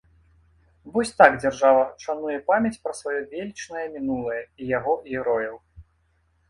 Вось так дзяржава шануе памяць пра сваё велічнае мінулае і яго герояў.